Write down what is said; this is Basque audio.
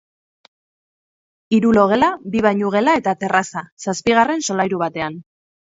Hiru logela, bi bainugela eta terraza, zazpigarren solairu batean.